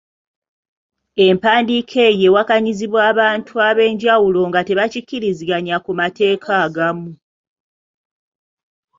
Empandiika eyo ewakanyizibwa abantu ab’enjawulo nga tebakkiriziganya ku mateeka agamu